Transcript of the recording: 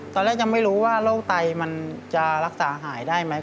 ยังไม่รู้ว่าโรคไตมันจะรักษาหายได้ไหม